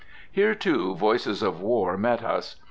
Here, too, voices of war met us.